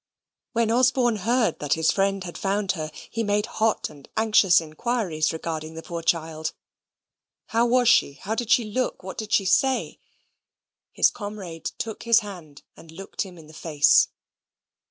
When Osborne heard that his friend had found her, he made hot and anxious inquiries regarding the poor child. How was she? How did she look? What did she say? His comrade took his hand, and looked him in the face.